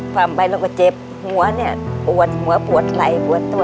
หมั่งไปแล้วเจ็บหัวปวดหัวปวดสักรอง